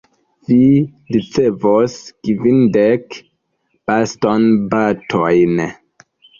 Vi ricevos kvindek bastonbatojn.